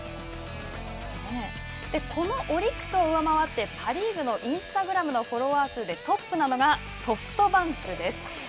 このオリックスを上回ってパ・リーグのインスタグラムのフォロワー数でトップなのがソフトバンクです。